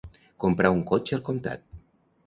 Comprar un cotxe al comptat.